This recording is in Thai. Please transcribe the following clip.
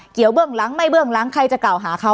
เกี่ยวเบื้องรั้งไม่เบื้องรั้งใครจะกล่าวหาเขา